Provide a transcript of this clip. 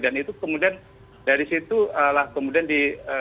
dan itu kemudian dari situlah kemudian di